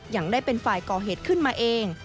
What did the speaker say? ยังได้เป็นฝ่ายก่อเหตุขึ้นมาเอง